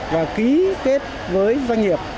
và ký kết với doanh nghiệp